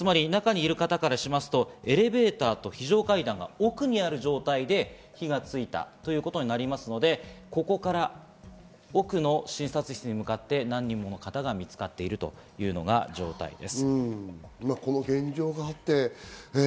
つまり中にいる方からしますとエレベーターと非常階段が奥にある状態で火がついたということになりますので、ここから奥の診察室に向かって何人もの方が見つかっているというような状態です。